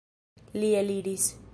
Li eliris.